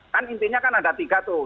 kan intinya kan ada tiga tuh